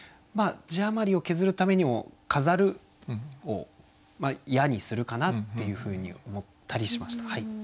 字余りを削るためにも「飾る」を「や」にするかなっていうふうに思ったりしました。